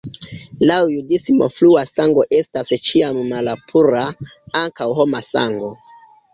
Laŭ judismo flua sango estas ĉiam malpura, ankaŭ homa sango.